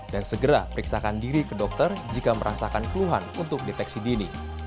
dan segera periksakan diri ke dokter jika merasakan keluhan untuk deteksi dini